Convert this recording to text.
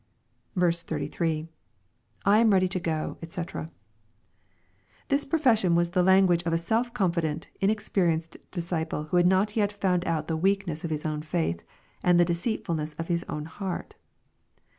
33. — [lam ready to go, doc] This profession was the language of a self confident, inexperienced disciple who had not yet found out the weakness of his own faith, and the deceitfulness of his own heart.